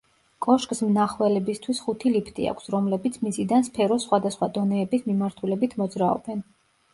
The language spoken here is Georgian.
კოშკს მნახველებისთვის ხუთი ლიფტი აქვს, რომლებიც მიწიდან სფეროს სხვადასხვა დონეების მიმართულებით მოძრაობენ.